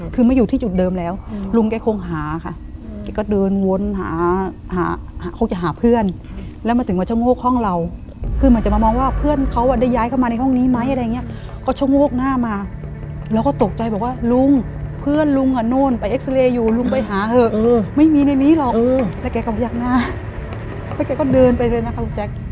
คือเหมือนจะมามองว่าเพื่อนเขาได้ย้ายเข้ามาในห้องนี้ไหมอะไรอย่างเงี้ยก็ช่วงโลกหน้ามาแล้วก็ตกใจบอกว่าลุงเพื่อนลุงอ่ะโน่นไปเอ็กซ์เรย์อยู่ลุงไปหาเถอะไม่มีในนี้หรอกแล้วแกกำลังอยากน่าแล้วแกก็เดินไปเลยนะครับลูกแจ๊ก